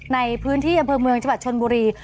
ในพื้นที่อำเภอเมืองจังหวัดชนบุรี